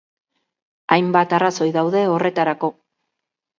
Hainbat arrazoi daude horretarako